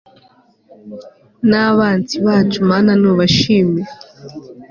n'abansi bacu mana n'ubashime